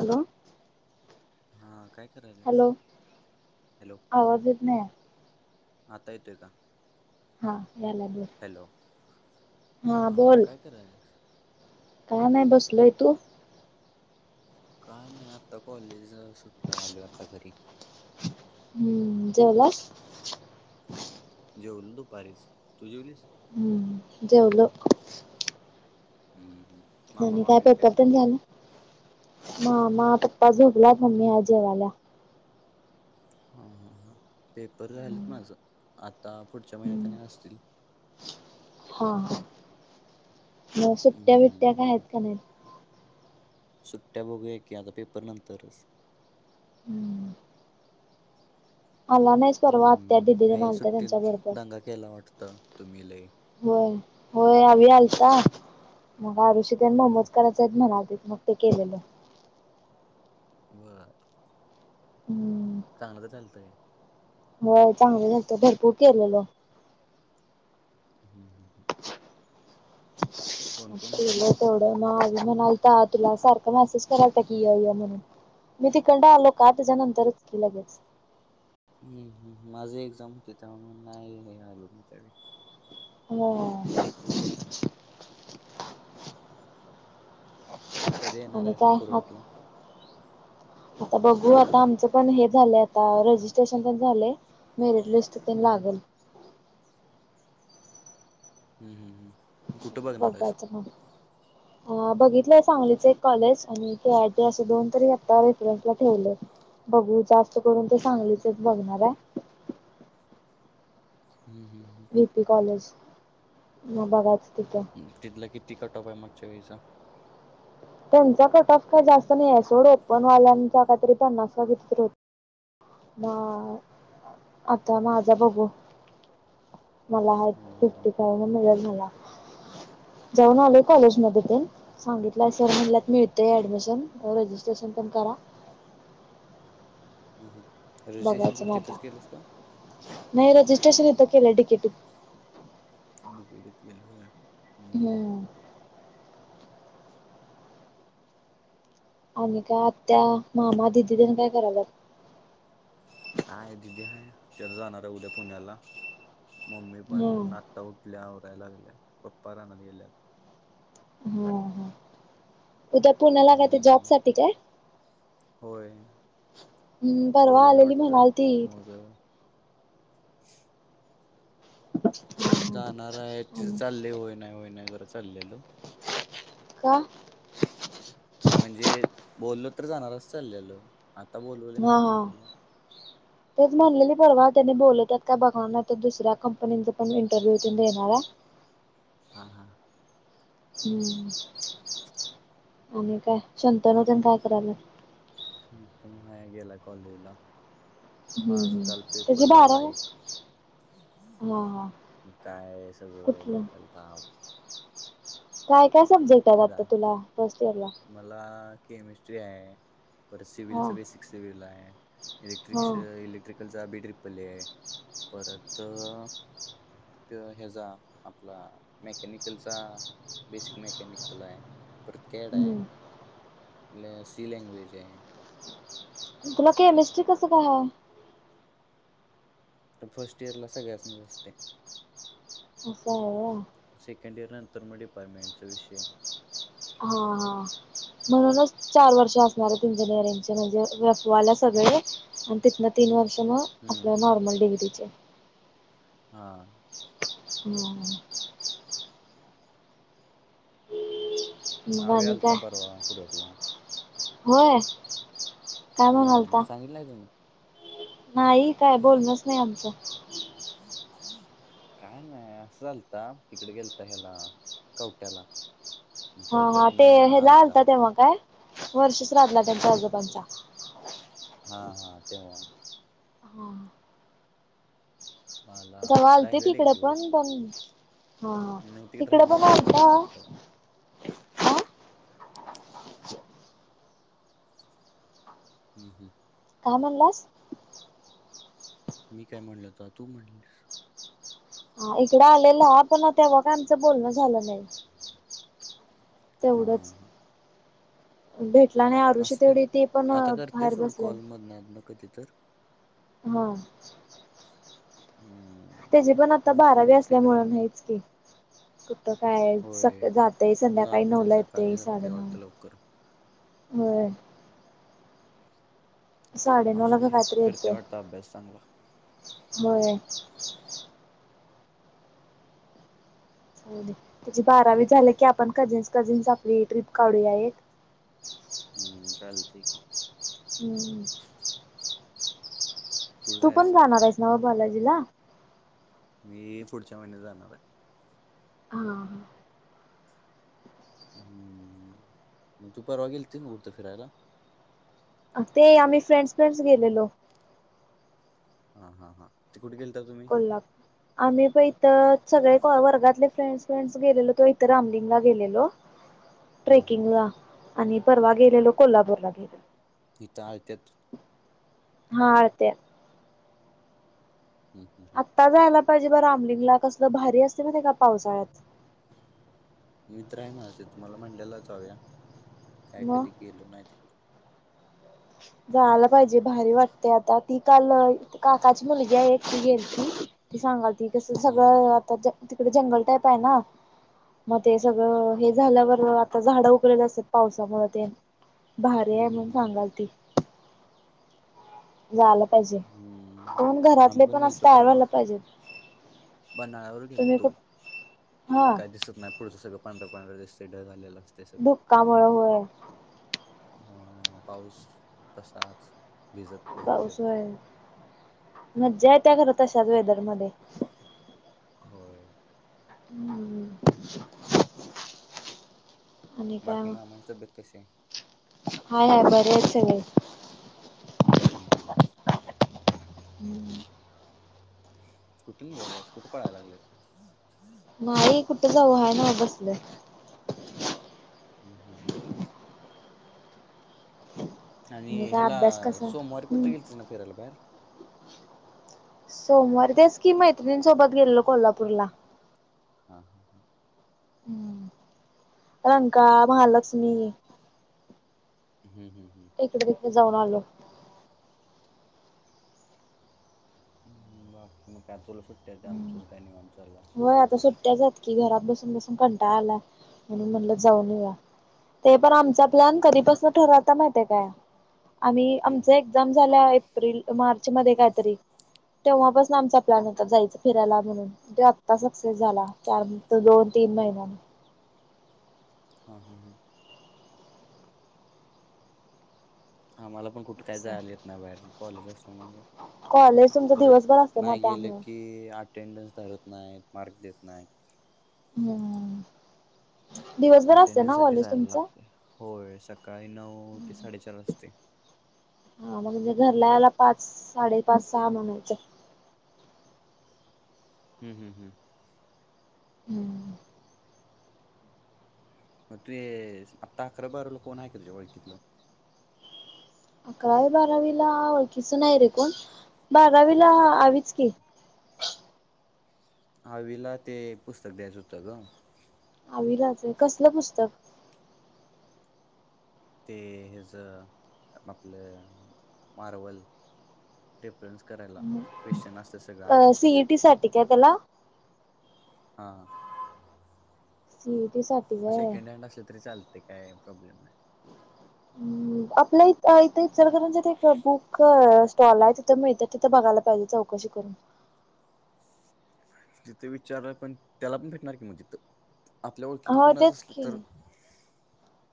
Hello. हा काय करायलास हॅलो हॅलो आवाज येत नाय. आता येतोय का? हा या लागलाय. हॅलो हा काय करायलीयास? काय नाय बसलोय तू? काय नाय आता कॉलेज सुटल आलोय आता घरी. हम्म जेवलास? जेवलो दुपारीच तू जेवलीस? हम्म जेवलो. हम्म हम्. आणि काय पेपर तेन झाला मामा, पप्पा झोपल्यात मम्मी आत जेवायलीया. हा हा हा पेपर झालेत माझं आता पुढच्या महिन्यात आणि असतील. हा हा. म सुट्ट्या बिट्या काय हायत हम्म का नायत? सुट्ट्या बघूया की आता पेपर नंतरच. अला नायस? हम्म काय सुट्टीत दंगा केला वाटत तुम्ही लय? होय होय आवी आलता मग आरुषी ते अन हम्म मोमोज कराय चेत म्हणा मग ते केलेलं. बर. हम्म. चांगलंच झालत काय? होय चांगलं झालत भरपूर केलेल. हम् हम् हम्. कोण होता केलं तेवढं मग आवी म्हणालता तुला सारखा मेसेज करालता की य य म्हणून. मी तिकंड आलो का त्याच्यानंतरच ते लगेच. हम्म हम् माझं एक्झाम हुती त्यामुळं नाय हे आलो मी त्यावेळी. होय. कधी येणार आणि आहेस मग काय आ- कुरळपला आता बघू आता आमचं पण हे झाले आता, रजिस्ट्रेशन पण झालय, मेरिट लिस्ट हम्म हम्म लागेल. हम्. बघायचं म बघितलंय सांगलीच एक कॉलेज, आणि के. आय. टी असे दोन तरी आता रेफरन्सला ठेवलय. बघू जास्त करून ते चांगलीच एक बघणार आहे. हम् हम ह. बी. पी कॉलेज, म बघायचं तिथं तिथलं किती कट ऑफ आहे मगच्या वेळीचा? त्यांचा कट ऑफ काही जास्त नाही ए सोड, ओपनवाल्यांचा काहीतरी पन्नास काय किती तरी हो हा, आता माझा बघू. मला हायीत हम्म हम्म फिफ्टी हम्म फाइव्ह. मिळल मला, जाऊन आलोय कॉलेजमध्ये तेन, सांगितल तर म्हणल्यात मिळतय ऍडमिशन, रजिस्ट्रेशन पण करा. हम हम. बघायचं म आता, नाही रजिस्ट्रेशन इथं केलंय, डी. के. टी. इ त. डी. के. टी. त केल होय? हम्म. आणि काय? आत्या, मामा, दिदी, तेन काय कराल्यात? हाय, दिदी हाय, ती आता जाणार आहे उद्या पुण्याला, मम्मी हां पण आत्ता उठल्या आवराय लागल्या, पप्पा रानात गेल्यात. हा ह, उद्या पुण्याला काय ते जॉब हम्म साठी काय? होय, हम्म, परवा बोलवलंय आलेली वाटतं, म्हणाल ती मग हां जाणार आहे, हां तिथं आणि चाललय होय, नाही, होय, नाही, करत चाललेलं. का? म्हणजे बोललो तर जाणारच अस चाललेलं, आता बोलवलं हा म्हणून हा निघाल्या. तेच म्हणलेली परवा, त्यानी बोलवत्यात काय बघणार नाही तर, दुसऱ्या कंपनीचा पण इंटरव्यूव देणार आहे. हा हा. हम्म! आणि काय शंतनू तेन काय कराल्यात? शंतनु हाय, गेलाय कॉलेजला. हम्म माझा हम्म काल त्याची पेपर झाला एक. बारावी हा हा काय सगळं कुठलं डोक्याला ताप. काय काय सब्जेक्ट आहेत, जा आता तुला फर्स्ट इयरला? मला केमिस्ट्री आहे, परत हा सिव्हलच बेसिक सिव्हल हाय. हा इलेक्ट्रिकस इलेक्ट्रिकलचा बी ट्रिपल आहे, परत हेजा आपला मेकॅनिकलचा बेसिक मेकॅनिक कल हाय, परत कॅड हम्म हाय, सी लँग्वेज हाय. तुला केमिस्ट्री कसं काय हाय? फर्स्ट इयरला सगळ्यासनीच असतय. अस हाय होय. सेकंड इयर नंतर मग डिपार्टमेंटचा विषय. हा हा. म्हणूनच चार वर्ष असणार आहेत इंजिनिअरिंगचे, म्हणजे एफ. वाय ला सगळे. आणि तिथनं तीन वर्ष मग, हम्म आपल्या नॉर्मल डिग्रीचे. हा. हम्म. मग आवे आणि आलता काय? परवा कुरपला होय. काय हम्म म्हणालता सांगितलंय तुन. नाही काय बोलणच नाय आमचं. [unintelligible] काय नाय असंच आलता तिकडे गेलता ह्याला कवट्याला. मग हा हा ते कवट्यातनं हेला आलता तेव्हा काय वर्ष श्राद्धला त्यांच्या आजोबांच्या. हा हा तेव्हा. हा. मला तेव्हा आलतेत राहिलेला एक हिकडं पण दिवस पण पण हा नाही तिकडे तिकड पण राहिलेला तो एक आलता. दिवस तेव्हा हम्म हम्म. का म्हनलास? मी काय म्हणल तवा तू म्हणलीस. हा इकडं आलेला पण तेव्हा काय आमचं बोलणं झालं नाय. हां हा. भेटला नाय असतंय आता करतय सोड कॉलमध मधन आदन कधी तर. हा. हम्म. त्याची पण आता बाकी बारावी मग असल्यामुळ तिकडं हायच की. कुठं काय होय स- जातय संध्याकाळी जाते नऊला येतय सकाळी जाते साडेनऊ वाटतं लवकर होय. साडे नऊला असू का दे काय तर करते येतय वाटतं अभ्यास चांगला होय. त्याजी बारावी झाली की आपण कजिन्स कजिन्स आपली ट्रिप काढूया एक. [inaudible] हम्म चालतंय की. हम्म. कुठं तू पण जायचं जाणार आहेस नव बालाजीला? मी पुढच्या महिन्यात जाणारय. हा. हम् म तू परवा गेलती ना कुटतर फिरायला? अ ते आम्ही फ्रेडस फ्रेडस गेलेलो. हा हा हा. ते कुठ गेलता तू कोल्हा आम्ही प इथं सगळे वर्गातले फ्रेंड्स फेड्स गेलेलो तो इथं रामलिंगला गेलेलो. हम्म हम्म ट्रेकिंगला आणि परवा गेलेलो कोल्हापूरला गेलो. हित आळत्यात हा आळतिया. हम् हम् हम्. आता जायला पाहिजे ब रामलिंगला कसलं भारी असतय माहिताय का पावसाळ्यात. मित्र हाय माझा तिथ मला म्हंलेला जाऊया काय मग कधी गेलो नाय तिकडं. जायला पाहिजे भारी वाटतय आता ती काल काकाची मुलगी हाय एक ती गेलती ती सांगालती कस हम्म हम्म सगळं आता तिकडे जंगल टाईप हाय ना. मग ते सगळं हे झाल्यावर आता झाडं उगलेले असत पावसामुळे तेन. भारी आहे हम्म मग हम्म सांगाल ती जायला पाहिजे हम्म, कोण आम्ही घरातले पण असं गेलतो तयार परवा. व्हायला पाहिजेत [unintelligible] गेल तुम्ही तो खूप हा काय दिसत नाही पुढच सगळ पांढर पांढर दिसते ढग आलेल. धुक्कामुळे होय. हो पाऊस तसाच भिजत तसच पाऊस गेलो व्हय मज्जा येते त्या तश्या वेदरमध्ये. होय. हम्म. आणि काय बाकी म. मामाची तब्येत कशी हाय हाय बरेच मी. हम् हम् हम् हम कुठे निघायलास? कुठे पडायला लागलस? नाही कुठ जाऊ आहे ना बसल. हम् हम् हम आणि काय ह्याला अभ्यास कसा सोमवारी कुठ हम्म गेलती ना फिरायला बाहेर? सोमवार तेस की मैत्रिनी सोबत गेलो लो कोल्हापूरला. हां हां हां प्रंका महालक्ष्मी हम्म हम् हम्म इकडे तिकडे जाऊन आलो. बाकी [unintelligible] व्हय आता सुट्ट्याच आहेत. कि घरात बसून बसून कंटाळ आलाय म्हणून म्हणल जाऊन येउया. ते पण आमच् प्लॅन कधी पासून ठरवता माहििते काय आम्ही हम्म आमच एक एक्झाम झाल्या एप्रिल मार्च मध्ये कायतरी तेव्हापसून आमचा प्लॅन होता जायच फिरायला म्हणून तेव्हा सक्सेस झाला. चार दोन तीन महिन्यांनी हा हा हा हा मला पण कुठे काय जायले येत ना बाहेर कॉलेज असल्यामुळे. कॉलेज तुमचं परत दिवसभर असतं ना नाही गेल त्यामुळं. की आठ अटेंडन्स धरत नाहीत मार्क देत नाही. हम्म. दिवसभर असते अटेंडन्स ना साठी कॉलेज जायला तुमच? लागते होय सकाळी नऊ ते साडेचार वाजते. हा मग म्हणजे घरला याला पाच साडेपाच सहा म्हणायचे. हम् हम् हम हम्म मग ते आता अकरा बारावीला कोण आहे का तुझ्या ओळखीतल? अकरावी बारावीला ओळखीच नाही रे कोण बारावीला अवी च की. आवीला ते पुस्तक द्यायच होत ग. आवीलाच आहे. कसल पुस्तक? ते याच आपल मार्वल. रेफरन्स करायला क्वेश्चन असत सगळ अ आधीच त्यात. सीईटी साठी काय त्याला? हां सी ई टी स सेकंड हँड असले तरी चालते काय प्रॉब्लेम नाय. हम्म आपल्या इथ इचलकरंजीत एक बुक स्टॉल हाय तिथं मिळत्यात तिथं बघायला पाहिजे चौक शी करून तिथे विचार पण त्याला पण भेटणार की म तिथं आपल्या ओळखीतलं हो कोणाचं तेच असलं तर की.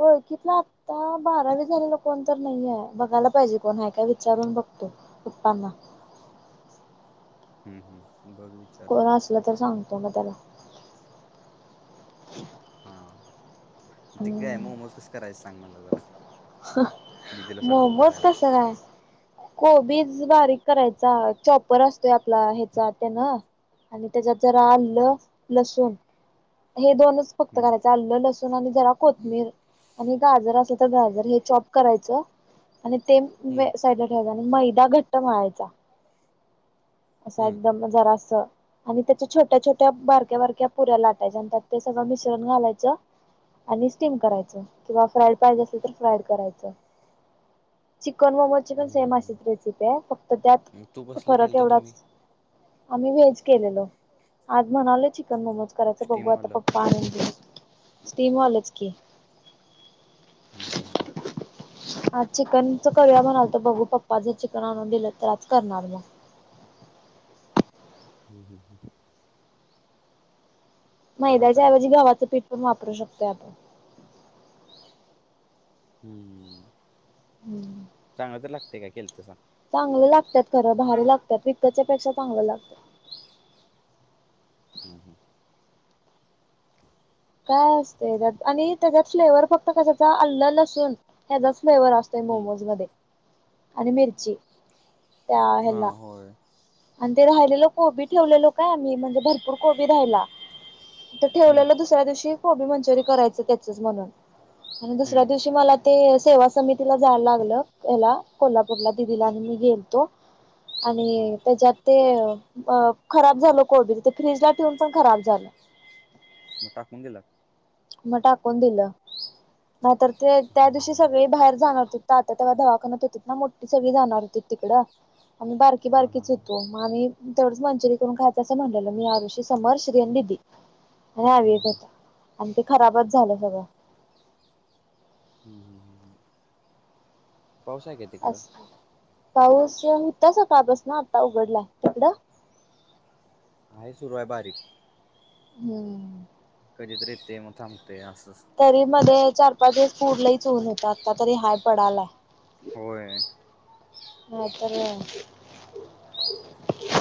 ओळखीतला ता बारावी झालेलं कोण तर नाहीये बघायला पाहिजे कोण तर हाय काय विचारून बघतो. पप्पानां हम्म हम्म बघ वीच कोण असलं तर सांगतो म त्याला [inaudible] हा ते काय हम्म मोमोज कसं करायचं सांग मला जरा. दिदीला सांगतो मोमोज करायला कसं काय? कोबीज बारीक करायचा चॉपर असतोय आपला ह्याचा त्यान आणि त्याच्याचात जरा आलं हम्म लसूण हे दोनच फक्त हम्म घालाय आल्ल लसूण आणि जरा कोथमीर आणि गाजर असल तर गाजर हे चॉप करायचं. आणि ते मंजे हम्म साईडला ठेवायच आणि मैदा घट्ट मळायचा. [unintelligible] असा हम्म एकदम जरासं आणि त्याच्या छोट्या छोट्या बारक्या बारक्या पुऱ्या लाटायच्या आणि त्यात ते सगळं मिश्रण घालायचं आणि स्टीम करायचं किंवा फ्राईड पाहिजे असल तर फ्राईड करायचं. चिकन मोमोजची पण सेम हम्म अशीच रेसिपी आहे फक्त त्यात हम्म तू कसले फरक केलत एवढा तुम्ही आम्ही व्हेज केलेलो आज म्हणाले चिकन मोमोज करायच बघू आता स्टीमवालं पप्पा आणील ते स्टीम वालेच की [inaudible] आज चिकनच करूया म्हणालतो बघू पप्पा जर चिकन आणून दिलं तर आज करणार म [inaudible] करा मैद्याच्या करा ऐवजी गव्हाचं पीठ पण वापरू शकतोय आपण. हम्म आपण चांगलं तर लागतय का? केलतसा चांगलं लागतात खरं भारी लागतात विकतच्या पेक्षा चांगलं लागत. [inaudible] हम्म हम्म काय असतय त्यात आणि त्याच्यात फ्लेवर फक्त कशाचा आल्ल लसूून ह्याजाच फ्लेवर अस ते मोमोज मध्ये आणि मिरची. त्या हा ह्याला होय. आणि ते राहिलेलं कोबी ठेवलेलो का मी म्हणजे भरपूर कोबी राहायला ते हम्म ठेवलेलं दुसऱ्या दिवशी कोबी मंचुरी करायचं त्याचच म्हणून आणि दुसऱ्या हम्म दिवशी मला ते सेवा समितीला जायला लागल ह्येला कोल्हापूरला दिदीला आणि मी गेलतो हा आणि त्याच्यात ते अ खराब झाल कोबी ते फ्रीज ला ठेऊन पण खराब झालं. म टाकून दिला म टाकून दिलं नायतर ते त्या दिवशी सगळे बाहेर जाणार होते. तात्या तवा दवाखानात होतीत ना मोठी सगळी जाणार होती तिकडं आम्ही बारकी हा हा बारकीच होतो हम्म म आम्ही तेवढंच मंचुरी करून खायचं असं म्हणटलं मी, आऋषी, समर्श, श्री आणि दिदी हा आवि एक हम्म होता. आणि ते खराबच झालं सगळं हम्म हम्म हम्म हम्म पाउस हाय का? तिकडं अस पाऊस होता स का बस ना आता उघडलाय तिकडं. हाये सुरू आहे बारीक. हम्म. कधीतरी येतय. म थांबतय असंच. तरी मध्ये चार पाच दिवस पुरलईच ऊन होतं. आता तरी हाय पडालाय. होय. नाही तर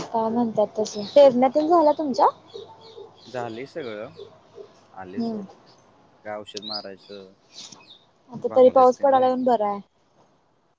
[inaudible] काय म्हणतात तस. पेरण्या पण झाल्या तुमच्या? झालेय सगळं. आले हम्म सोड. काय औषध मारायचं. आता तरी पाऊस भागलायसते पडायला व्हस? येऊन बरं आहे